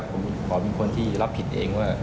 ผมขอเป็นคนที่รับผิดเองว่า